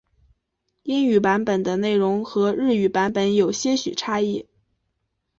英语版本的内容和日语版本有些许差异。